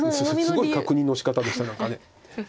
すごい確認のしかたでしたね何か。